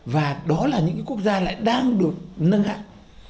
và đó là những cái quốc gia lại đang được nâng hạng